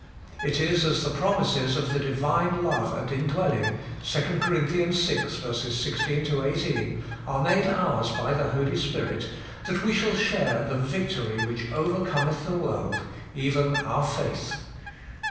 It is as the promises of the Divine love and indwelling (2 Cor. vi 16 18) are made ours by the Holy spirit, that we shall share the victory which overcometh the world, even our faith.